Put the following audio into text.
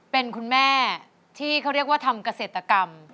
เป็นคุณแม่ที่เขาเรียกว่าทำเกษตรกรรม